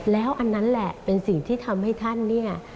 แล้วอันนั้นแหละเป็นสิ่งที่ทำให้ท่านเนี่ย